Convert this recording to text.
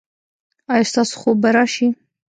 ایا ستاسو خوب به راشي؟